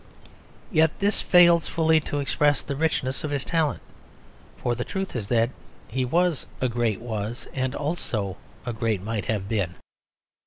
Yet this fails fully to express the richness of his talent; for the truth is that he was a great Was and also a great Might have been.